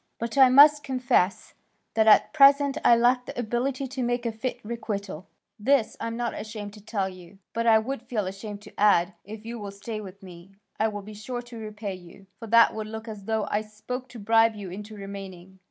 But I must confess that at present I lack the ability to make a fit requital. This I am not ashamed to tell you, but I would feel ashamed to add, 'If you will stay with me, I will be sure to repay you,' for that would look as though I spoke to bribe you into remaining.